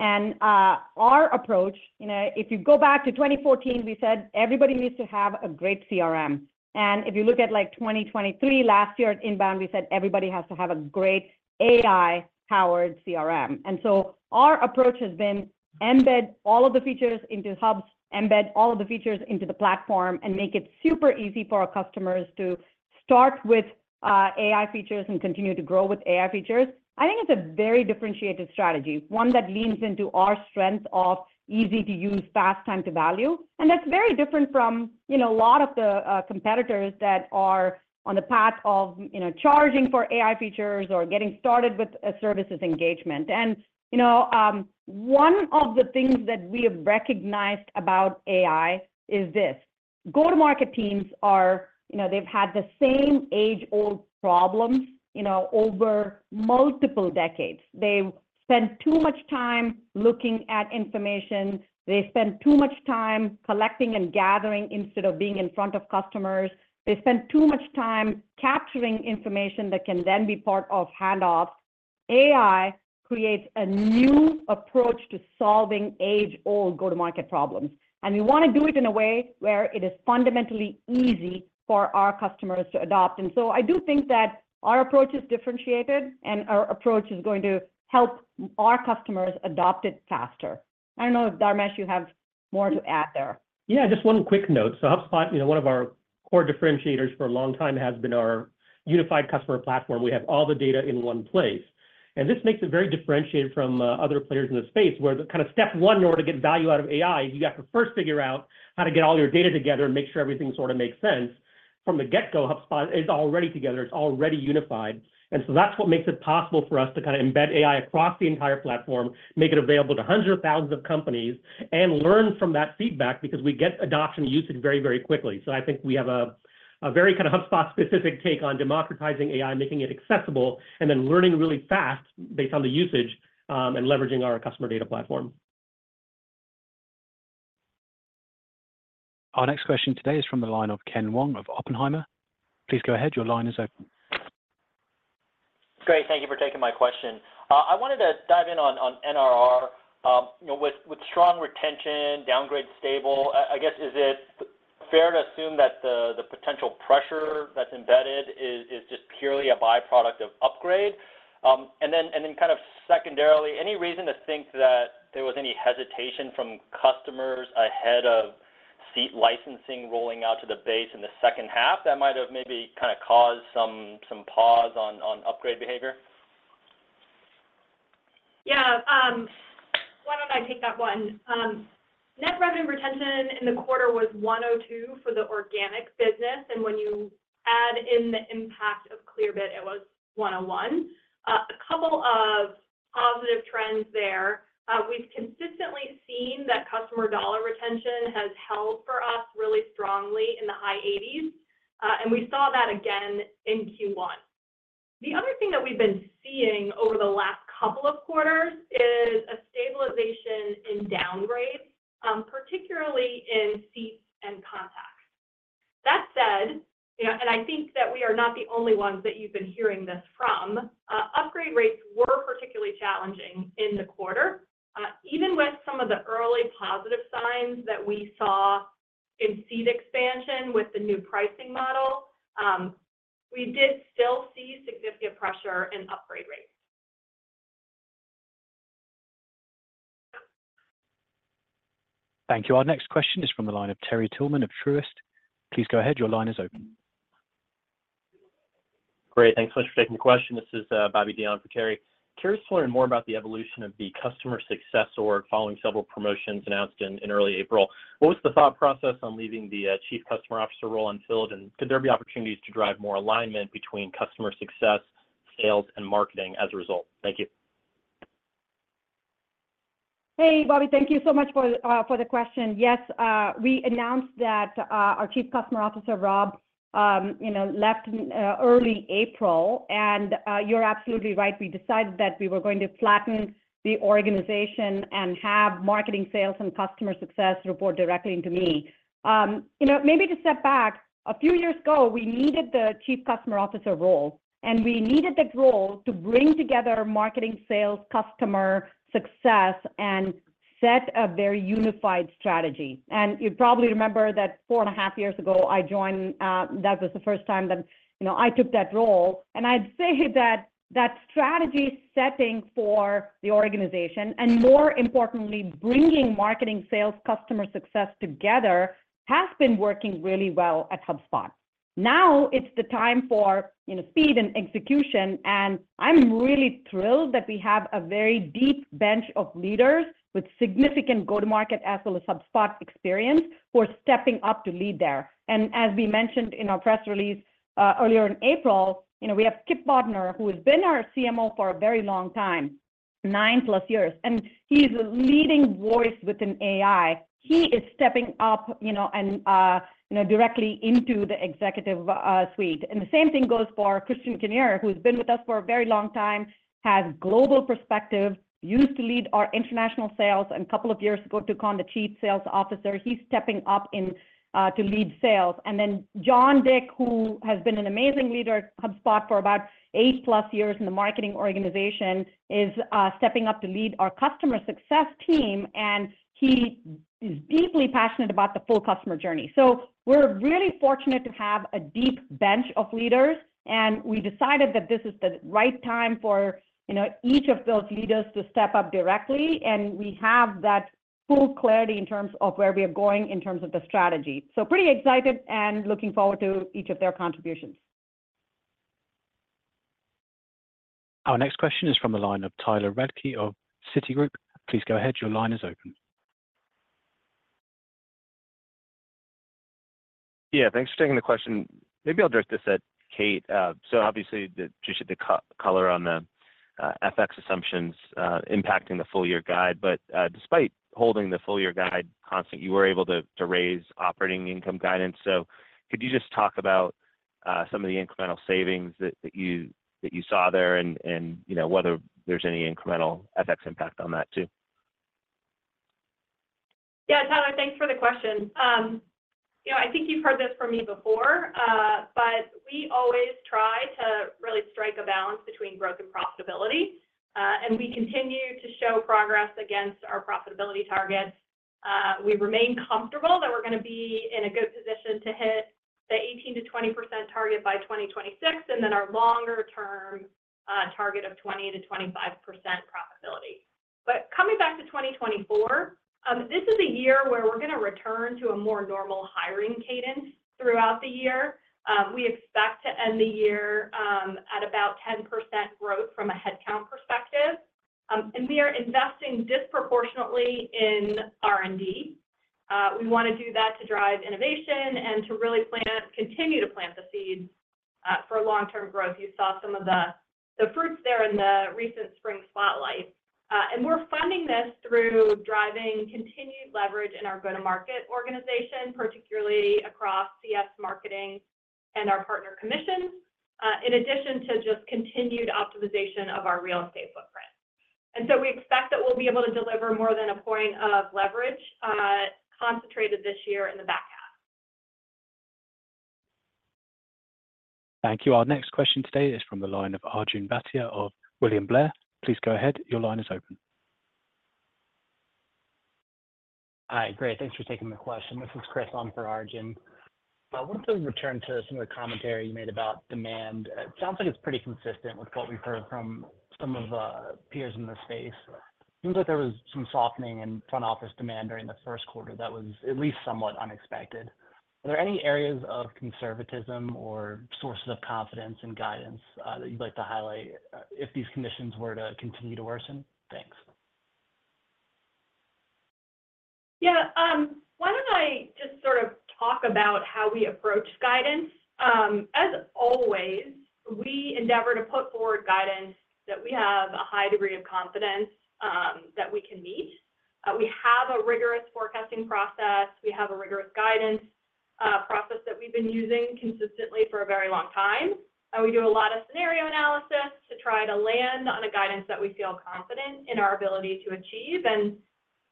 And our approach, if you go back to 2014, we said everybody needs to have a great CRM. And if you look at 2023, last year at Inbound, we said everybody has to have a great AI-powered CRM. And so our approach has been embed all of the features into Hubs, embed all of the features into the platform, and make it super easy for our customers to start with AI features and continue to grow with AI features. I think it's a very differentiated strategy, one that leans into our strengths of easy-to-use, fast-time-to-value. And that's very different from a lot of the competitors that are on the path of charging for AI features or getting started with a services engagement. One of the things that we have recognized about AI is this: go-to-market teams, they've had the same age-old problems over multiple decades. They've spent too much time looking at information. They spend too much time collecting and gathering instead of being in front of customers. They spend too much time capturing information that can then be part of handoffs. AI creates a new approach to solving age-old go-to-market problems. And we want to do it in a way where it is fundamentally easy for our customers to adopt. And so I do think that our approach is differentiated, and our approach is going to help our customers adopt it faster. I don't know if, Dharmesh, you have more to add there. Yeah, just one quick note. So HubSpot, one of our core differentiators for a long time, has been our unified customer platform. We have all the data in one place. And this makes it very differentiated from other players in the space, where kind of step one in order to get value out of AI is you have to first figure out how to get all your data together and make sure everything sort of makes sense. From the get-go, HubSpot is already together. It's already unified. And so that's what makes it possible for us to kind of embed AI across the entire platform, make it available to hundreds of thousands of companies, and learn from that feedback because we get adoption and usage very, very quickly. I think we have a very kind of HubSpot-specific take on democratizing AI, making it accessible, and then learning really fast based on the usage and leveraging our customer data platform. Our next question today is from the line of Ken Wong of Oppenheimer. Please go ahead. Your line is open. Great. Thank you for taking my question. I wanted to dive in on NRR. With strong retention, downgrade stable, I guess, is it fair to assume that the potential pressure that's embedded is just purely a byproduct of upgrade? And then kind of secondarily, any reason to think that there was any hesitation from customers ahead of seat licensing rolling out to the base in the second half that might have maybe kind of caused some pause on upgrade behavior? Yeah. Why don't I take that one? Net Revenue Retention in the quarter was 102 for the organic business. And when you add in the impact of Clearbit, it was 101. A couple of positive trends there. We've consistently seen that customer dollar retention has held for us really strongly in the high 80s. And we saw that again in Q1. The other thing that we've been seeing over the last couple of quarters is a stabilization in downgrades, particularly in seats and contacts. That said, and I think that we are not the only ones that you've been hearing this from, upgrade rates were particularly challenging in the quarter. Even with some of the early positive signs that we saw in seat expansion with the new pricing model, we did still see significant pressure in upgrade rates. Thank you. Our next question is from the line of Terry Tillman of Truist. Please go ahead. Your line is open. Great. Thanks so much for taking the question. This is Bobby Diyan for Terry. Curious to learn more about the evolution of the customer success org following several promotions announced in early April. What was the thought process on leaving the chief customer officer role unfilled? And could there be opportunities to drive more alignment between customer success, sales, and marketing as a result? Thank you. Hey, Bobby. Thank you so much for the question. Yes, we announced that our Chief Customer Officer, Rob, left in early April. And you're absolutely right. We decided that we were going to flatten the organization and have marketing, sales, and customer success report directly into me. Maybe to step back, a few years ago, we needed the Chief Customer Officer role. And we needed that role to bring together marketing, sales, customer success, and set a very unified strategy. And you probably remember that four and a half years ago, I joined. That was the first time that I took that role. And I'd say that that strategy setting for the organization, and more importantly, bringing marketing, sales, customer success together, has been working really well at HubSpot. Now it's the time for speed and execution. I'm really thrilled that we have a very deep bench of leaders with significant go-to-market as well as HubSpot experience who are stepping up to lead there. As we mentioned in our press release earlier in April, we have Kip Bodner, who has been our CMO for a very long time, 9+ years. And he's a leading voice within AI. He is stepping up and directly into the executive suite. And the same thing goes for Christian Kinnear, who has been with us for a very long time, has global perspective, used to lead our international sales, and a couple of years ago, took on the Chief Sales Officer. He's stepping up to lead sales. And then Jon Dick, who has been an amazing leader at HubSpot for about 8+ years in the marketing organization, is stepping up to lead our customer success team. He is deeply passionate about the full customer journey. We're really fortunate to have a deep bench of leaders. We decided that this is the right time for each of those leaders to step up directly. We have that full clarity in terms of where we are going in terms of the strategy. Pretty excited and looking forward to each of their contributions. Our next question is from the line of Tyler Radke of Citigroup. Please go ahead. Your line is open. Yeah, thanks for taking the question. Maybe I'll direct this at Kate. So obviously, just the color on the FX assumptions impacting the full-year guide. But despite holding the full-year guide constant, you were able to raise operating income guidance. So could you just talk about some of the incremental savings that you saw there and whether there's any incremental FX impact on that too? Yeah, Tyler, thanks for the question. I think you've heard this from me before. But we always try to really strike a balance between growth and profitability. And we continue to show progress against our profitability targets. We remain comfortable that we're going to be in a good position to hit the 18%-20% target by 2026 and then our longer-term target of 20%-25% profitability. But coming back to 2024, this is a year where we're going to return to a more normal hiring cadence throughout the year. We expect to end the year at about 10% growth from a headcount perspective. And we are investing disproportionately in R&D. We want to do that to drive innovation and to really continue to plant the seeds for long-term growth. You saw some of the fruits there in the recent Spring Spotlight. We're funding this through driving continued leverage in our go-to-market organization, particularly across CS, marketing and our partner commissions, in addition to just continued optimization of our real estate footprint. So we expect that we'll be able to deliver more than a point of leverage concentrated this year in the back half. Thank you. Our next question today is from the line of Arjun Bhatia of William Blair. Please go ahead. Your line is open. Hi, great. Thanks for taking my question. This is Chris Eom for Arjun. I wanted to return to some of the commentary you made about demand. It sounds like it's pretty consistent with what we've heard from some of the peers in the space. It seems like there was some softening in front office demand during the first quarter that was at least somewhat unexpected. Are there any areas of conservatism or sources of confidence and guidance that you'd like to highlight if these conditions were to continue to worsen? Thanks. Yeah. Why don't I just sort of talk about how we approach guidance? As always, we endeavor to put forward guidance that we have a high degree of confidence that we can meet. We have a rigorous forecasting process. We have a rigorous guidance process that we've been using consistently for a very long time. And we do a lot of scenario analysis to try to land on a guidance that we feel confident in our ability to achieve, and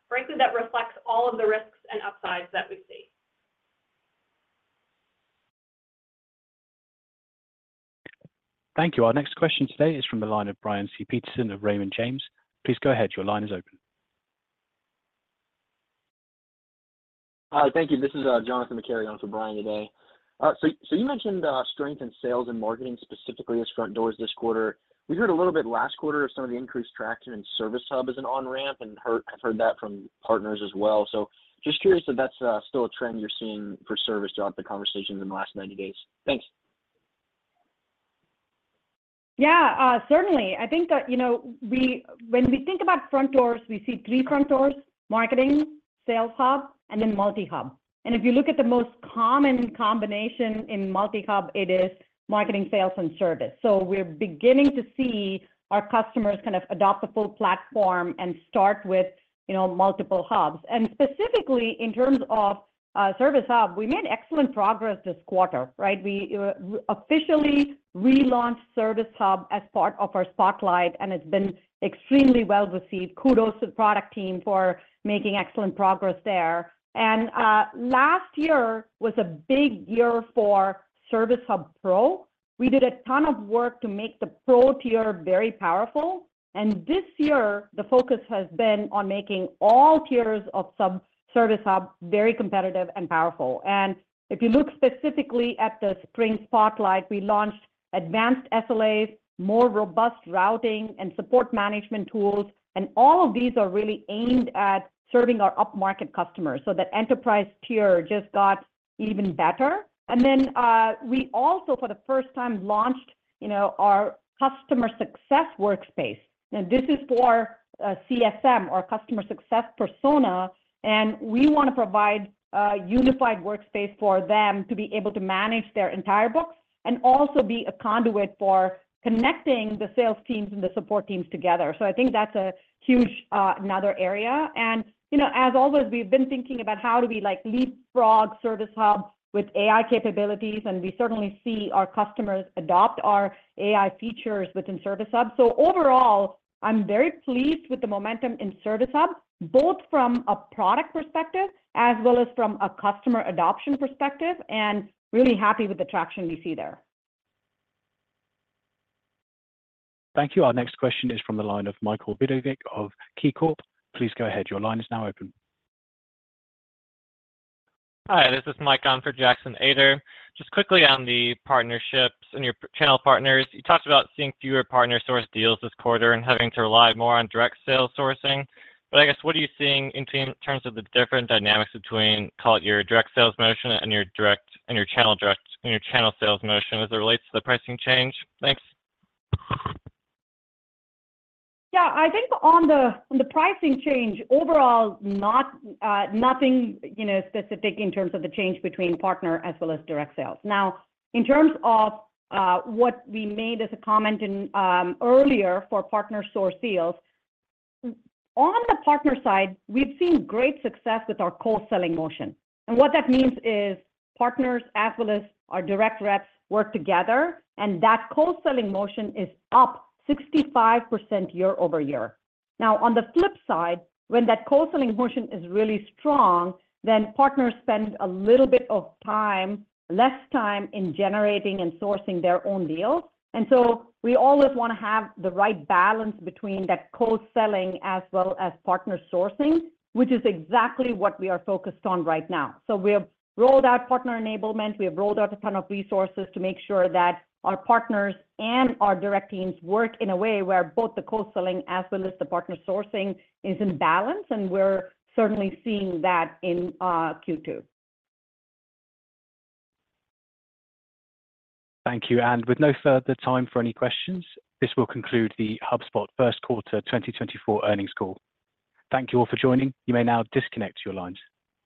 frankly, that reflects all of the risks and upsides that we see. Thank you. Our next question today is from the line of Brian C. Peterson of Raymond James. Please go ahead. Your line is open. Thank you. This is Jonathan McCary. I'm for Brian today. So you mentioned strength in sales and marketing specifically as front doors this quarter. We heard a little bit last quarter of some of the increased traction in Service Hub as an on-ramp, and I've heard that from partners as well. So just curious if that's still a trend you're seeing for service throughout the conversations in the last 90 days. Thanks. Yeah, certainly. I think that when we think about front doors, we see three front doors: Marketing Hub, Sales Hub, and then multi-hub. And if you look at the most common combination in multi-hub, it is Marketing Hub, Sales Hub, and Service Hub. So we're beginning to see our customers kind of adopt the full platform and start with multiple hubs. And specifically, in terms of Service Hub, we made excellent progress this quarter, right? We officially relaunched Service Hub as part of our Spotlight, and it's been extremely well received. Kudos to the product team for making excellent progress there. And last year was a big year for Service Hub Pro. We did a ton of work to make the Pro tier very powerful. And this year, the focus has been on making all tiers of Service Hub very competitive and powerful. If you look specifically at the Spring Spotlight, we launched advanced SLAs, more robust routing, and support management tools. All of these are really aimed at serving our up-market customers so that Enterprise tier just got even better. Then we also, for the first time, launched our Customer Success Workspace. Now, this is for CSM or customer success persona. We want to provide a unified workspace for them to be able to manage their entire books and also be a conduit for connecting the sales teams and the support teams together. I think that's another area. As always, we've been thinking about how do we leapfrog Service Hub with AI capabilities. We certainly see our customers adopt our AI features within Service Hub. Overall, I'm very pleased with the momentum in Service Hub, both from a product perspective as well as from a customer adoption perspective, and really happy with the traction we see there. Thank you. Our next question is from the line of Michael Vidovic of KeyBanc Capital Markets. Please go ahead. Your line is now open. Hi, this is Michael on for Jackson Ader. Just quickly on the partnerships and your channel partners, you talked about seeing fewer partner-sourced deals this quarter and having to rely more on direct sales sourcing. But I guess, what are you seeing in terms of the different dynamics between, call it, your direct sales motion and your channel direct and your channel sales motion as it relates to the pricing change? Thanks. Yeah, I think on the pricing change, overall, nothing specific in terms of the change between partner as well as direct sales. Now, in terms of what we made as a comment earlier for partner-sourced deals, on the partner side, we've seen great success with our co-selling motion. And what that means is partners as well as our direct reps work together, and that co-selling motion is up 65% YoY. Now, on the flip side, when that co-selling motion is really strong, then partners spend a little bit of time, less time in generating and sourcing their own deals. And so we always want to have the right balance between that co-selling as well as partner sourcing, which is exactly what we are focused on right now. So we have rolled out partner enablement. We have rolled out a ton of resources to make sure that our partners and our direct teams work in a way where both the co-selling as well as the partner sourcing is in balance. We're certainly seeing that in Q2. Thank you. With no further time for any questions, this will conclude the HubSpot first quarter 2024 earnings call. Thank you all for joining. You may now disconnect your lines.